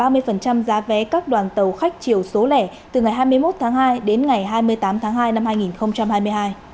giá vé các đoàn tàu khách chiều số lẻ từ ngày hai mươi một tháng hai đến ngày hai mươi tám tháng hai năm hai nghìn hai mươi hai